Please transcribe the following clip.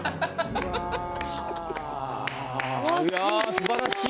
すばらしい。